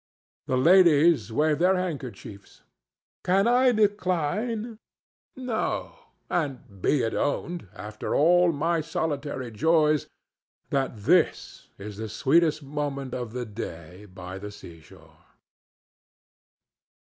The ladies wave their handkerchiefs. Can I decline? No; and be it owned, after all my solitary joys, that this is the sweetest moment of a day by the seashore.